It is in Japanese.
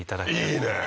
いいね！